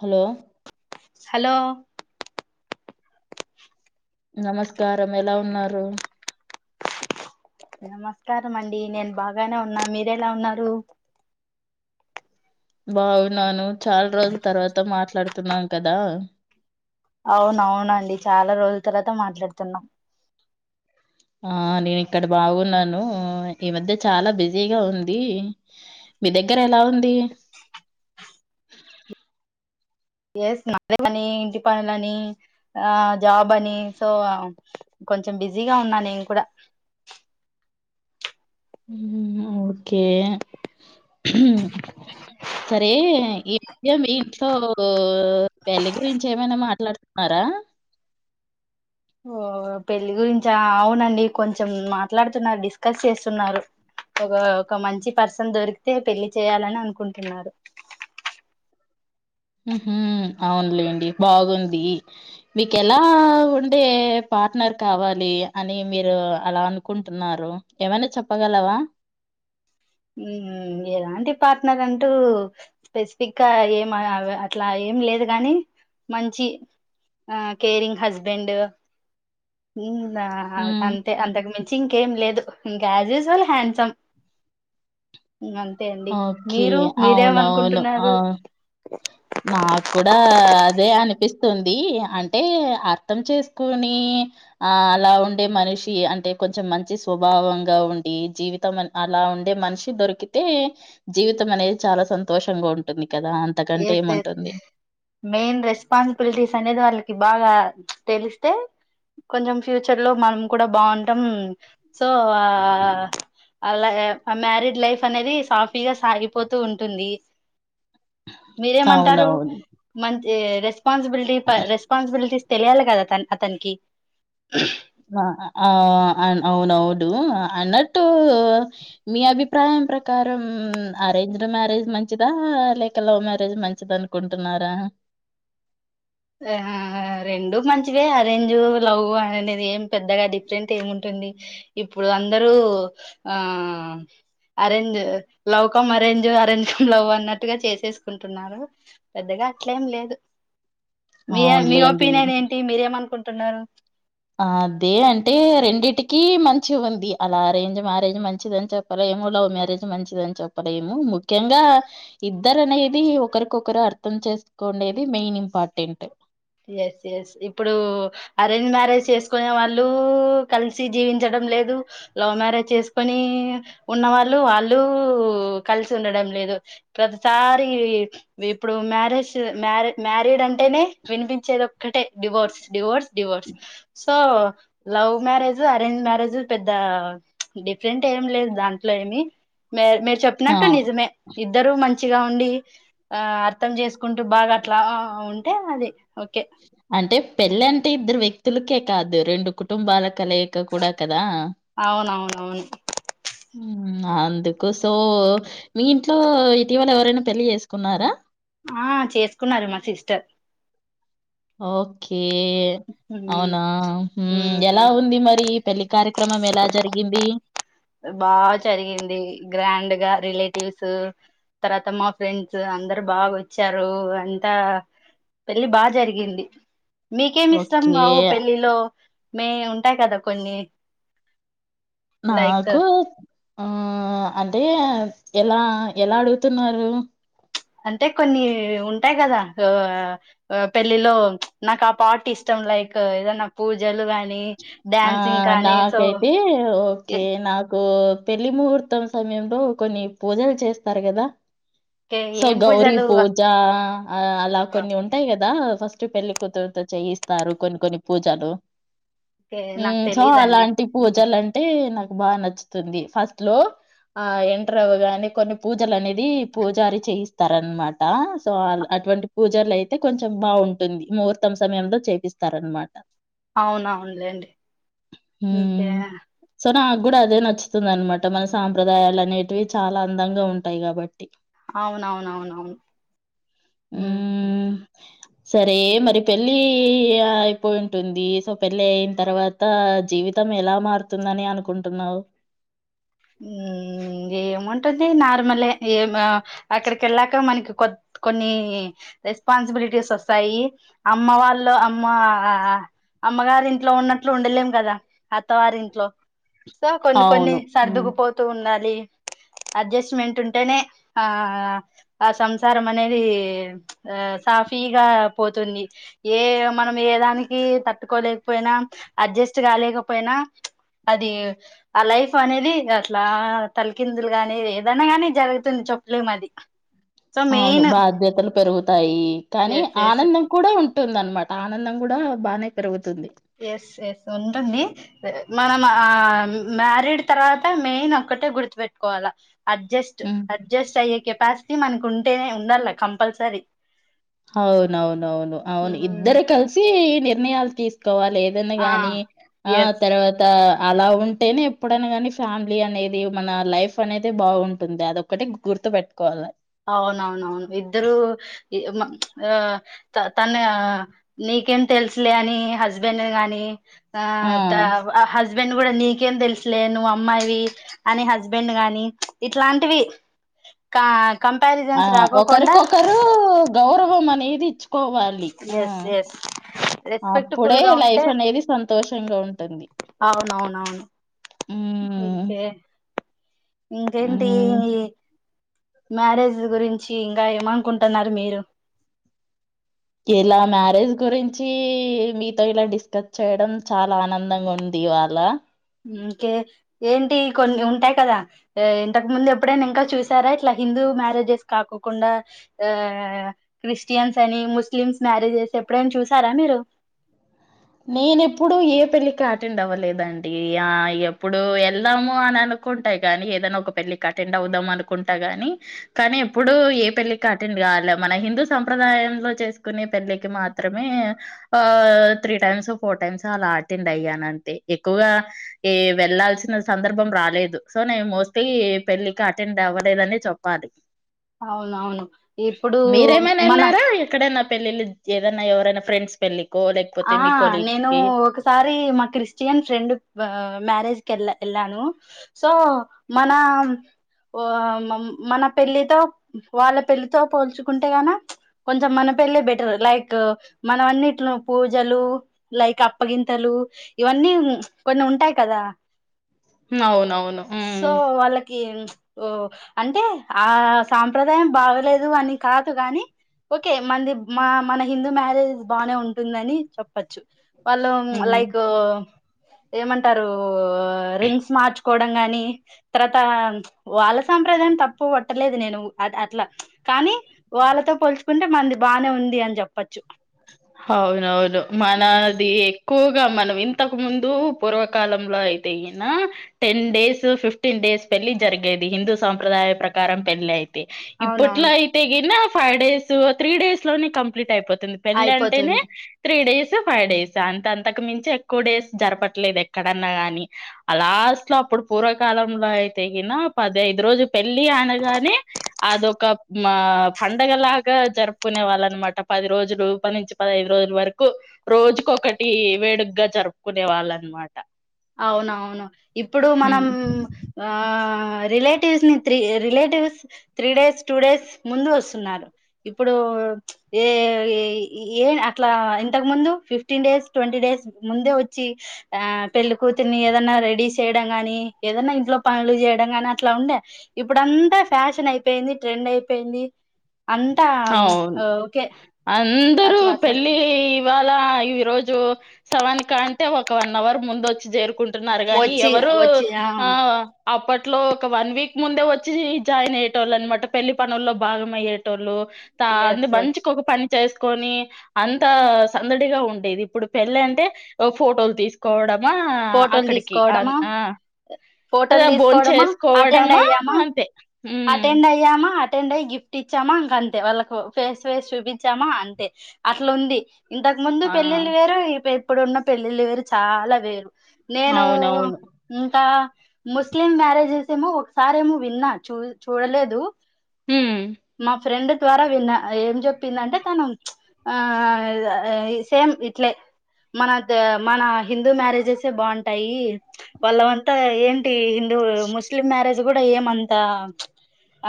Hello hello నమస్కారం ఎలా ఉన్నారు. నమస్కారం అండి నేను బాగానే ఉన్నా మీరెలా ఉన్నారు. బాగున్నాను చాలా రోజుల తర్వాత మాట్లాడుతున్నాం కదా. అవునవునండి చాలా రోజుల తర్వాత మాట్లాడుతున్నాం. ఆ నేను ఇక్కడ బాగున్నాను, ఈ మధ్య చాలా బిజీగా ఉంది. మీ దగ్గర ఎలా ఉంది. ఎస్ మ పని ఇంటి పనులని, ఆ జాబ్ అని, సో కొంచెం బిజీగా ఉన్నా నేను కూడా. హుహు ఓకే సరే ఈ మధ్య మీ ఇంట్లో పెళ్లి గురించి ఏమైనా మాట్లాడుతున్నారా. ఓ పెళ్లి గురించా అవునండి కొంచెం మాట్లాడుతున్నారు, డిస్కస్ చేస్తున్నారు. ఒక ఒక మంచి పర్సన్ దొరికితే పెళ్లి చేయాలని అనుకుంటున్నారు. ఊహ్ అవునులేండి బాగుంది. మీకు ఎలా ఉండే పార్ట్నర్ కావాలి అని మీరు అలా అనుకుంటున్నారు ఏమైనా చెప్పగలవా. హుమ్ ఎలాంటి పార్ట్నర్ అంటూ స్పెసిఫిక్ గా ఏం అ అట్లా ఏం లేదు కాని మంచి ఆ కేరింగ్ హస్బెండు హు ఆ ఉమ్ అంతే అంతకు మించి ఇంకేం లేదు గ్యాజెస్ ఆల్ హ్యాండ్సమ్. అంతే అండి. ఓకే మీరు అవునవును ఆ మీరేమనుకుంటున్నారు? నాకు కూడా అదే అనిపిస్తుంది అంటే అర్థం చేసుకొని ఆ అలా ఉండే మనిషి అంటే కొంచెం మంచి స్వభావంగా ఉండి జీవితం అలా ఉండే మనిషి దొరికితే జీవితం అనేది చాలా సంతోషంగా ఉంటుంది. కదా! అంతకంటే ఎస్ ఎస్ ఏముంటుంది? మెయిన్ రెస్పాన్సిబిలిటీస్ అనేది వాళ్ళకి బాగా తెలిస్తే కొంచెం ఫ్యూచర్ లో మనం కూడా బాగుంటాం ఉమ్ సో ఆ అలా ఆ మ్యారిడ్ లైఫ్ అనేది సాఫీగా సాగిపోతూ ఉంటుంది. మీరేమంటారు అవునవును. మం ఏ రేస్ స్పాసిబిలిటీ ప రెపాస్బిలిటీస్ తెలియాలి కదా తన్ అతనికి ఉహ్ ఆ ఆ అవునవుడు అన్నట్టు మీ అభిప్రాయం ప్రకారం అరేంజ్ మ్యారేజ్ మంచిదా లేక లవ్ మ్యారేజ్ మంచిద అనుకుంటున్నారా ఆ రెండు మంచివే అరేంజు లవ్ అనేది ఏం పెద్దగా డిఫరెంట్ ఏముంటుంది ఇప్పుడు అందరూ ఆ arrange love cum arrange arrange cum love అన్నట్టుగా చేసేసుకుంటున్నారు పెద్దగా అట్లేం లేదు మీ మీ అవునులేండి. ఒపీనియన్ ఏంటి మీరేమనుకుం టున్నారు అదే అంటే రెండిటికి మంచి ఉంది అలా అరేంజ్ మ్యారేజ్ మంచిదని చెప్పలేము లవ్ మ్యారేజ్ మంచిదని చెప్పలేము ముఖ్యంగా ఇద్దరు అనేది ఒకరికొకరు అర్థం చేసుకోండేది మెయిన్ ఇంపార్టెంట్ ఎస్ ఎస్ ఇప్పుడు అరేంజ్ మ్యారేజ్ చేసుకునే వాళ్ళు ఊ కలిసి జీవించడం లేదు లవ్ మ్యారేజ్ చేసుకొని ఉన్నవాళ్ళు వాళ్ళు కలిసి ఉండడం లేదు ప్రతిసారి ఇప్పుడు మ్యారేజ్ మ్యార మ్యారీడ్ అంటేనే వినిపించేది ఒక్కటే divorce divorce divorce so love marriage arrange marriage పెద్ద డిఫరెంట్ ఏం లేదు దాంట్లో ఏమి మీ మీరు ఆ! చెప్పినట్టు నిజమే ఇద్దరు మంచి మంచిగా ఉండి ఆ అర్థం చేసుకుంటూ బాగా అట్లా ఉంటే అది ఓకే అంటే పెళ్ల అంటే ఇద్దరు వ్యక్తులకే కాదు రెండు కుటుంబాల కలయిక్క కూడా కదా అవునవునవును ఉమ్ అందుకు సో మీ ఇంట్లో ఇటీవల ఎవరైనా పెళ్లి చేసుకున్నారా ఆ చేసుకున్నారు మా సిస్టర్ ఓకే కే మ్మ్ అవునా హుమ్ ఎలా మ్మ్ ఉంది మరి ఈ పెళ్లి కారి క్రమం ఎలా జరిగింది బాగా చరిగింది గ్రాండ్ గా మా రిలేటివ్స్ తర్వాత మా ఫ్రెండ్స్ అందరు బాగా వచ్చారు అంతా పెళ్లి బాగా జరిగింది. మీకేమి ఇష్టం ఓకే కావు పెళ్ళిలో మే ఉంటాయి కదా కొన్ని నా లైక్ కూ ఆ అంటే ఎలా ఎలా అడుగుతున్నారు. అంటే కొన్ని ఉంటాయి కదా ఆ పెళ్ళిలో నాకు ఆ పాట ఇష్టం లైక్ ఏదన్న పూజలు కానీ గాని ఆ డ్యాన్సింగ్ సో నాకైతే ఓకే ఏ- నాకు పెళ్లి ముూహు త్తం సమయంలో కొన్ని పూజలు చేస్తారు కదా సో ఏం గౌరీ పూజలు పూజ ఆ అలా కొన్ని ఉంటాయి కదా ఫస్ట్ పెళ్లికూతురుతో చేయిస్తారు కొన్ని కొన్ని పూజలు ఓకే నాకు మ్ సో తెలీదండి అలాంటి హ్మ్. పూజలు అంటే నాక్ బాగా నచ్చుతుంది ఫస్ట్ లో ఆ ఎంటర్ అవగానే కొన్ని పూజలు అనేది పూజారి చేయిస్తారన్నమాట. సో అటువంటి పూజలు అయితే కొంచెం బాగుంటుంది ముహూర్తం సమయంలో చేపిస్తారన్నమాట. అవునవునులేండి ఇంకే కూడా అదే నచ్చుతుంది అన్నమాట మన సాంప్రదాయాలు అనేటివి చాలా అందంగా ఉంటాయి కాబట్టి. అవునవునవునవును హ్మ్. సరే మరి పెళ్ళి అయిపోయింటుంది సో పెళ్ళి అయిన తర్వాత జీవితం ఎలా మారుతుందని అనుకుంటున్నావు. మ్ ఏముంటది నార్ మలే ఏం ఆ అక్కడికెళ్ళాక మనకు కొ కొన్ని రెస్పాన్సిబిలిటీస్ వస్తాయి. అమ్మ వాళ్ళ అమ్మ అమ్మగారి ఇంట్లో ఉన్నట్లు ఉండలేం కదా అత్తవారింట్లో సో కొన్ని కొన్ని అవును. హ్మ్. సర్దుకుపోతూ ఉన్ డాలి. అడ్జస్ట్మెంట్ ఉంటేనే ఆ ఆ సంసారం అనేది సాఫీగా పోతుంది. ఏ మనం ఏదానికి తట్టుకోలేకపోయినా అడ్జస్ట్ కాలేకపోయినా అది ఆ లైఫ్ అనేది అట్ల తలకిందులు గానీ ఏదన్నా గాని జరుగుతుంది చొప్పులేం అది సో అవును మెయిన్ బాధ్యతలు పెరుగు తాయి. కానీ ఎస్ ఎస్ ఆనందం కూడా ఉం ఉంటుందన్మాట ఆనందం కూడా బానే పెరుగుతుంది. ఎస్ ఎస్ ఉంటుంది మనం ఆ మ్యారీడ్ తర్వాత మెయిన్ ఒక్కటే గుర్తుపెట్టుకోవాలా అడ్జెస్ట్ హ్మ్. అడ్జెస్ట్ అయ్యే కెపాస్ మనకు ఉంటేనే ఉండాల కంపల్సరీ అవునవునవును అవును ఇద్దరు కలిసి నిర్ణయలు తీస్ కోవాలి ఏదన్న ఆ గాని ఆ ఎస్ తర్వాత అలా ఉంటేనే ఎప్పుడైనా కానీ ఫ్యామిలీ అనేది మన లైఫ్ అనేది బాగుంటుంది. అదొక్కటె గుర్తుపెట్టుకోవాలి. అవునవునవును ఇద్దరు ఆ తను నీకేం తెలుసులే అని హస్బెండ్ ను గాని ఆ త ఆ హస్ హస్బెండ్ కూడా నీకేం తెలుసులే నువ్వు అమ్మాయివి అని హస్బెండ్ గాని ఇట్లాంటివి కా ఆ కంపారిజన్స్ రాకోకుండా ఒకరికొకరు గౌరవం అనేది ఇచ్చు కోవాలి. ఆ ఎస్ ఎస్ రెస్పెక్ట్ఫుల్ అప్పుడే గా లైఫ్ ఉంటే అనేది సంతోషంగా ఉంటుంది. హ్మ్. ఉంటె ఇంకేంటీ హ్మ్. మ్యారేజ్ గురించి ఇంగా ఏమనుకుంటున్నారు. మీరు ఇలా మ్యారేజ్ గురించి మీతో ఇలా డిస్కస్ చేయడం చాలా ఆనందంగా ఉంది. ఈవాళ ఇంకే ఏంటి కొన్ని ఉంటాయి. కదా ఇంతకు ముందు ఎప్పుడైనా ఇంకా చూసారా ఇట్లా హిందూ మ్యారేజెస్ కాకోకుండా ఆ క్రిస్టియన్స్ అని ముస్లిమ్స్ మ్యారేజెస్ ఎప్పుడైనా చూసారా మీరు నేను ఎప్పుడు ఏ పెళ్ళికి అటెండ్ అవ్వలేదండి. ఆ ఎప్పుడు వెళ్దాము అని అనుకుంట కానీ ఏదైనా ఒక పెళ్ళికి అటెండ్ అవుదాం అనుకుంటా గాని కానీ ఎప్పుడు ఏ పెళ్ళికి అటెండ్ కాలే మన హిందూ సంప్రదాయంలో చేసుకునే పెళ్ళికి మాత్రమే ఆ త్రీ టైమ్స్ ఫోర్ టైమ్స్ అలా అటెండ్ అయ్యాను. అంటే ఎక్కువగా ఈ వెళ్లాల్సిన సందర్భం రాలేదు. సో నేను మోస్ట్లీ పెళ్ళికి అటెండ్ అవ్వలేదని చెప్పాలి. అవునవును ఇప్పుడు మన పెళ్ళిళ్లు ఏదన్నా ఎవరైన ఫ్రెండ్స్ పెళ్లికో ఆ నేను ఒకసారి మా క్రిస్టియన్ ఫ్రెండ్ మ్యారేజ్ ఏళ్ళ వెళ్ళాను. సో మన ఓ హా మన పెళ్ళితో వాళ్ళ పెళ్లితో పోల్చుకుంటే గాని కొంచెం మన పెల్లె బెటర్ లైక్ మనం అన్నిట్లో పూజలు లైక్ అప్పగింతలు ఇవన్నీ కొన్ని ఉంటాయి. కదా అవునవును. హ్ సో వాళ్ళకి ఓ అంటే ఆ సాంప్రదాయం బాగలేదు. అని కాదు గానీ ఓకే మంది మా మన హిందూ మ్యారేజ్స్ బానే ఉం టుందని చెప్పచ్చు వాళ్ళు ఉమ్. లైక్ ఏమంటారు రింగ్స్ మార్చ్ కోవడం కాని తర్వాత వాళ్ళ సాంప్రదాయం తప్పు వట్టలేదు. నేను అది అట్లా కానీ వాళ్ళతో పోల్చుకుంటే మనది బాగానే ఉంది అని జెప్పచ్చు అవునవును మనది ఎక్కువగా మనం ఇంతకు ముందు పూర్వకాలంలో అయితే అయిన టెన్ డేస్ ఫిఫ్టీన్ డేస్ పెళ్లి జరిగేది. హిందూ సాంప్రదాయం ప్రకారం పెళ్లి అయితే తే ఇప్పట్లో అవునవును అయితే గినా ఫైవ్ డేస్ త్రీ డేస్ లోనే కంప్లీట్ అయిపోతయి. పెళ్ళి అంటేనే అయిపోతుంది త్రీ డేస్ ఫైవ్ డేస్ అంత అంతకు మించి ఎక్కువ డేస్ జరపట్లేదు. ఎక్కడన్నా గాని లాస్ట్ లో అప్పుడు పూర్వకాలంలో అయితే గిన పదిఐదు రోజు పెళ్లి అనగానే అదొక మా పండగలాగా జరుపుకునే వాళ్ళు అన్న మాట పది రోజులు ఇప్పటి నుంచి పదహైదు రోజుల వరకు రోజుకు ఒకటి వేడుగ్గా జరుపుకునే వాళ్ళు అన్నమాట అవునవును ఇప్పుడు మనం ఆ రిలేటివ్స్ ని three relatives three days two days ముందు వస్తున్నారు ఇప్పుడు ఏ ఏ అట్లా ఇంతకు ముందు ఫిఫ్టీన్ డేస్ ట్వంటీ డేస్ ముందే వచ్చి ఆ పెళ్లిికతుర్ని ఏదన్నా రెడీ చేయడం గాని ఏదన్నా ఇంట్లో పనులు చేయడం గాని అట్లా ఉండే ఇప్పుడంతా ఫ్యాషన్ అయితే అ పోయింది ట్రెండ్ అయిపోయింది అంతా అవును ఓకే అందరుూ అట్లా అట్లా పెళ్ళి ఇవాళ ఈ రోజు సవానినికి అంటే ఒక వన్ అవర్ ముంద వచ్చి చేరుకుంట ంటున్నారు కాగాని వచ్చి ఎవరు వచ్చి ఆ అప్పట్లో ఒక వన్ వీక్ ముందే వచ్చి జాయిన్ అయ్యేటోళ్ళు అనమాట పెళ్లి పనుల్లో భాగం అయ్యేటోళ్ళు అ ఎస్ ఎస్ బనించకోక పని చేసుకొని అంత సందడిగా ఉండేది ఇప్పుడు పెళ్ళ అంటే ఫోటోలు తీసుకోవడం ఫోటోలు అక్కడికి తీసుకోవడమా ఆ అద ఫోటోలు భోన్ తీసుకోవడమా అటెండ్ చేసుకోవడమా అయ్యామా అంతే అటెండ్ అయ్యామా అటెండ్ అయి గిఫ్ట్ ఇచ్చామా ఇంకా అంతే వాళ్ళకు ఫేస్ వేస్ చూపించామా అంతే అట్లా ఉంది ఇంతకు ముందు ఆ పెళ్ళిళ్లు వేరు ఈ ఇప్పుడున్న పెళ్ళిళ్ళ వేరు చాలా వేరు నేను అవునవును ఇంకా ముస్లిం మ్యారేజెస్ ఏమో ఒకసారి ఏమో విన్నా చూ చూడలేదు ఉమ్ మా ఫ్రెండ్ ద్వారా విన్నా ఏం చెప్పిందంటే తను ఆ సేమ్ ఇట్లే మన మన హిందూ మ్యారేజెస్ ే బాగుంటాయి వాళ్ళు అంతా ఏంటి ఈ హిందూ ముస్లిం మ్యారేజ్ ఇది కూడా ఏమంతా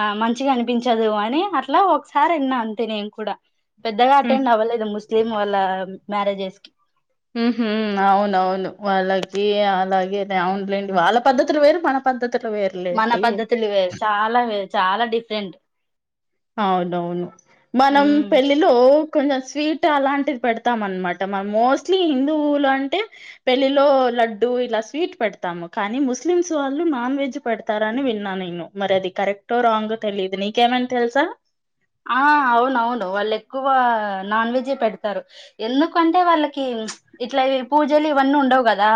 ఆ మంచిగా అనిపించదు అని అట్లా ఒకసారి విన్న అంతే నేను కూడా పెద్దగా అటెండ్ అవ్వలేదు ముస్లిం వాళ్ళ మ్యారేజెస్ కి హుహు అవును అవును వాళ్ళకి అలాగేలే అవునులేండి వాళ్ళ పద్ధతులు వేరు మన పద్ధతి మన పద్ధతులు వేరు చాలా వేరు చాలా డిఫరెంట్ అవుఅవును మనం ఉమ్ పెళ్ళిలో కొంచెం స్వీట్ అలాంటిది పెడతాం అనమాట మనం మోస్ట్లీ హిందువులు అంటే పెళ్ళిలో లడ్డు ఇలా స్వీట్ పెడతాము కానీ ముస్లిమ్స్ వాళ్ళు నాన్ వెజ్ పెడతారని విన్నా నేను మరి అది కరెక్ట్ో రాంగో తెలియదు నీకేమంటే తెల్సా ఆ అవునవును వాళ్ళు ఎక్కువ నాన్ వెజే పెడతారు ఎందుకంటే వాళ్ళ ఇట్లా పూజలు ఇవన్ను ఉండవు కదా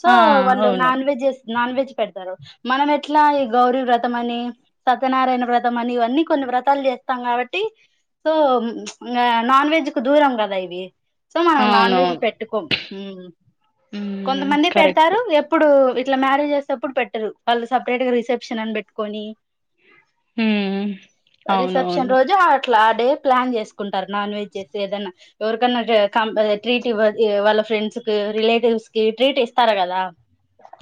సో ఆ వాళ్ళు అవును నాన్ వెజ్స్ నాన్ వెజ్ పెడతారు మనం ఎట్లా ఈ గౌరీ వ్రతం అని సత్యనారాయణ వ్రతం అని ఇవన్నీ కొన్ని వ్రతాలు చేస్ ఇంగ నాన్ వెజ్ కు దూరం కదా ఇవి సో మనం నాన్ వెజ్ అవునవును పెట్టుకోం హ్మ్. ఉమ్ కొంతమంది కరెక్ట్ పెడతారు ఎప్పుడు ఇట్లా మ్యారేజ్ చేసేప్పుడు పెట్టరు వాళ్ళు సపరేట్ గా రిసెప్షన్ అని పెట్టుకొని ఉమ్ రిసెప్షన్ అవునవును రోజు అట్లా ఆ డే ప్లాన్ చేసుకుంటారు నాన్ వెజ్ చేసి ఏదన్నా ఎవరికన్నా కం ట్రీట్ ఇవ్వ వాళ్ళ ఫ్రెండ్స్ కి రిలేటివ్స్ కి ట్రీట్ ఇస్తారు కదా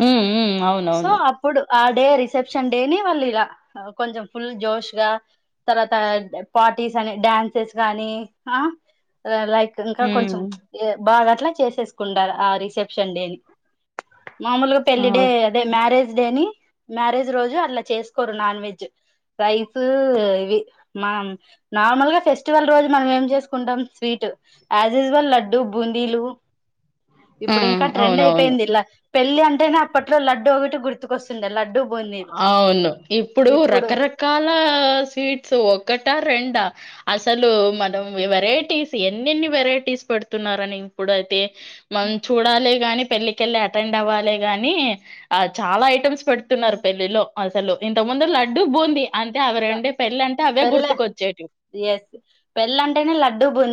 ఉమ్ ఉమ్ సో అవునవును అప్పుడు ఆ డే రిసెప్షన్ డేని వాళ్ళు ఇలా కొంచెం ఫుల్ జోష్ గా తర్వాత పార్టీస్ అని డ్యాన్సెస్ గానీ ఆ లైక్ ఇంకా కొంచెం ఉమ్ బాగా అట్లా చేసేసుకుంటారు ఆ రిసెప్షన్ డేని మామూలుగా పెళ్లి ఆ డే అదే మ్యారేజ్ డేని మ్యారేజ్ రోజు అట్లా చేసుకోరు నాన్ వెజ్ రైస్ ఇవి మనం నార్మల్ గా ఫెస్టివల్ రోజు మనం ఏం చేసుకుంటాం స్వీట్ యాజ్ యూజువల్ లడ్డు బూందీలు ఇప్పుడు హ్మ్. ఇంకా ట్రెండ్ అవునవును. అయిపోయింది ఇలా పెళ్లి అంటేనే అప్పట్లో లడ్డు ఒకటి గుర్తుకొస్తుండే లడ్డు బూందీలు అవును. ఇప్పుడు ఇప్పుడు రకరకాల స్వీట్స్ ఒకటా, రెండా? అసలు మనం వెరైటీస్ ఎన్నెన్ని వెరైటీస్ పెడుతున్నారని ఇప్పుడైతే మనం చూడాలే గాని, పెళ్ళికెళ్ళి అటెండ్ అవ్వాలే గాని, ఆహ్, చాలా ఐటెమ్స్ పెడుతున్నారు పెళ్ళిలో అసలు. ఇంతకుముందు లడ్డు, బూంది అంతే అవి ల రెండే పెళ్ళంటే అవే పెళ్ళ గుర్తుకొచ్చేటివి. ఎస్ పెళ్ళ అంటేనే లడ్డూ బూందీ